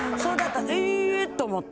えーっ！と思って。